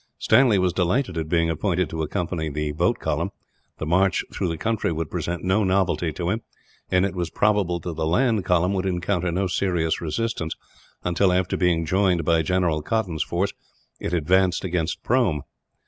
Stanley was delighted at being appointed to accompany the boat column. The march through the country would present no novelty to him, and it was probable that the land column would encounter no serious resistance until, after being joined by General Cotton's force, it advanced against Prome.